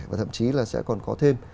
và thậm chí là sẽ còn có thêm